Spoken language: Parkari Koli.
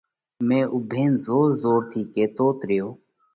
۾ اُوڀينَ زور زور ٿِي ڪيتوت ريو۔